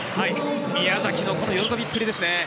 宮崎のこの喜びっぷりですね。